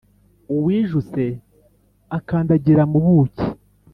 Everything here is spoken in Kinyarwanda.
uwijuse akandagira mu buki